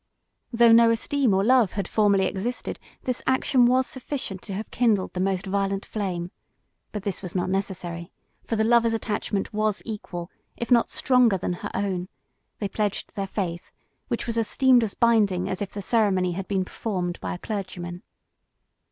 Though no esteem or love had formerly existed, this action was sufficient to have kindled the most violent flame. But this was not necessary, for the lover's attachment was equal, if not stronger than her own; they pledged their faith, which was esteemed as binding as if the ceremony had been performed by a clergyman.